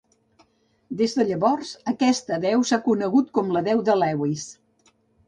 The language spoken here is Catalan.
Des de llavors, aquesta deu s'ha conegut com la deu de Lewis.